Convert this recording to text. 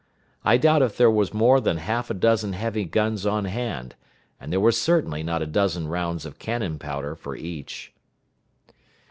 I doubt if there were more than half a dozen heavy guns on hand, and there were certainly not a dozen rounds of cannon powder for each.